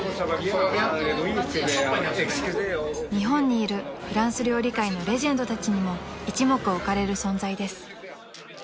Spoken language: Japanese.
［日本にいるフランス料理界のレジェンドたちにも一目置かれる存在です］